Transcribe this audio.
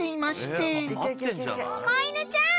「子犬ちゃん！」